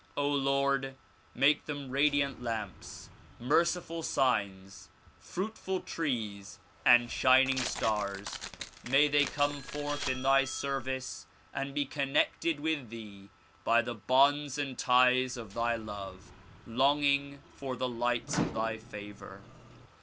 Lord! make them radiant lamps, merciful signs, fruitful trees and shin ing stars. ]\Iay they come forth in thy service and be connected with thee by the bonds and ties of thy love, longing for the lights of thy favor.